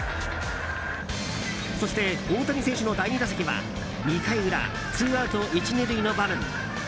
そして、大谷選手の第２打席は２回裏ツーアウト１、２塁の場面。